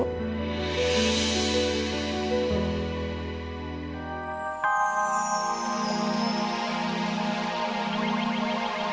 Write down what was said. kamu harus dukung